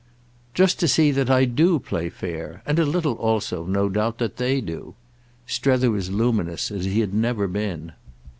"Just to see that I do play fair—and a little also, no doubt, that they do." Strether was luminous as he had never been.